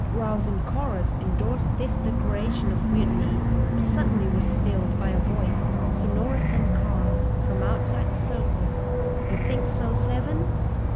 Growls in chorus endorsed this declaration of mutiny; but suddenly were stilled by a voice, sonorous and calm, from outside the circle: "You think so, Seven?